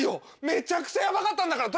めちゃくちゃヤバかったんだから！